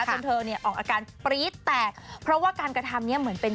เธอเนี่ยออกอาการปรี๊ดแตกเพราะว่าการกระทำเนี้ยเหมือนเป็น